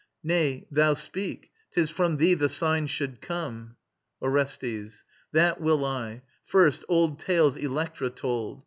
Nay, thou speak: 'tis from thee the sign should come. ORESTES. That will I. First, old tales Electra told.